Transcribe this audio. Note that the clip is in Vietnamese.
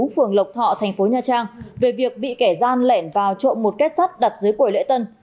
phường lộc thọ thành phố nha trang về việc bị kẻ gian lẻn vào trộm một kết sắt đặt dưới cầy lễ tân